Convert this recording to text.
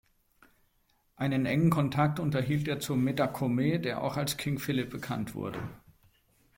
Einen engen Kontakt unterhielt er zu Metacomet, der auch als King Philip bekannt wurde.